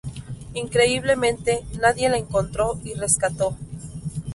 Increíblemente, nadie la encontró y rescató.